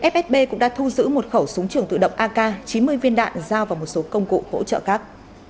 fsb cũng đã thu giữ một khẩu súng trường tự động ak chín mươi viên đạn giao và một số công cụ hỗ trợ khác